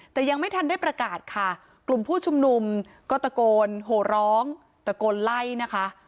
แต่ยังไม่ทันได้ประกาศค่ะกลุ่มผู้ชุมนุมก็ตะโกนโหร้องตะโกนไล่นะคะ